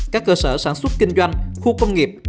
các cơ sở sản xuất kinh doanh khu công nghiệp